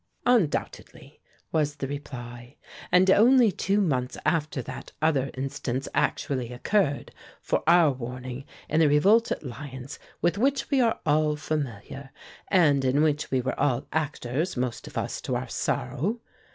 "Undoubtedly," was the reply; "and only two months after that other instance actually occurred, for our warning, in the revolt at Lyons, with which we are all familiar, and in which we were all actors, most of us to our sorrow.